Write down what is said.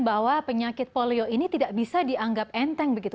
bahwa penyakit polio ini tidak bisa dianggap enteng begitu